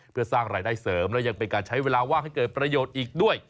เพื่อสร้างรายได้เสริมและยังเป็นการใช้เวลาว่างให้เกิดประโยชน์อีกด้วย